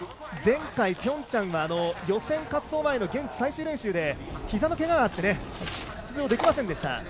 前回、ピョンチャンは予選滑走前の現地最終練習でひざのけががあって出場できませんでした。